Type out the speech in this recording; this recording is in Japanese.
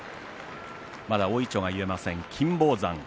まだ、大いちょうが結えません金峰山。